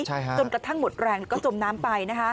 จนกระทั่งหมดแรงก็จมน้ำไปนะคะ